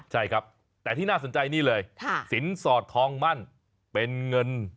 ใช่ครับแต่ที่น่าสนใจนี่เลยสินสอดทองมั่นเป็นเงิน